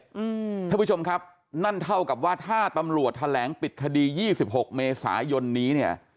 ท่านผู้ชมครับนั่นเท่ากับว่าถ้าตำรวจแถลงปิดคดียี่สิบหกเมษายนนี้เนี่ย